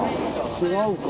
違うか。